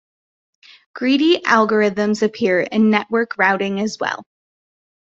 Greedy algorithms appear in network routing as well.